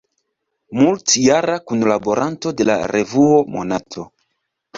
Multjara kunlaboranto de la revuo "Monato".